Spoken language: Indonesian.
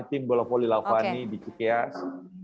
tim bola poli lavani di cikias